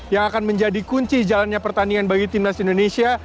yang akan menjadi kunci jalannya pertandingan bagi timnas indonesia